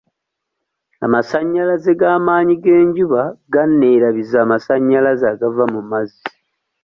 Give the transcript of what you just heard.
Amasannyalaze g'amaanyi g'enjuba ganeerabiza amasannyalaze agava mu mazzi.